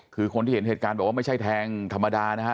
คือคนที่เห็นเหตุการณ์บอกว่าไม่ใช่แทงธรรมดานะฮะ